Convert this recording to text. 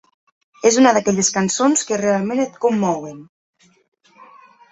És una d'aquelles cançons que realment et commouen.